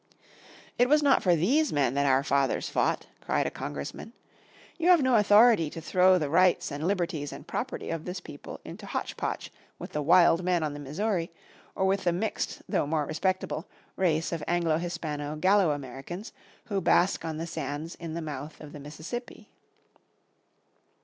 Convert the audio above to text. "It was not for these men that our fathers fought," cried a Congressman. "You have no authority to throw the rights, and liberties, and property, of this people into hotch potch with the wild men on the Missouri, or with the mixed, though more respectable, race of Anglo Hispano Gallo Americans who bask on the sands in the mouth of the Mississippi."